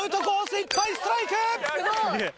いっぱいストライク！